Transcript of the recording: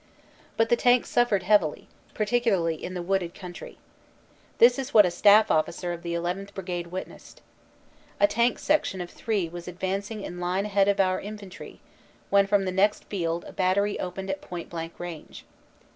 But the tanks suffered heavily, particularly in the wooded country. This is what a staff officer of the llth. Brigade witnessed. A tank section of three was advancing in line ahead of our infantry when from the next field a battery opened at point blank range.